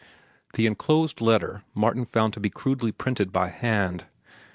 The enclosed letter Martin found to be crudely printed by hand.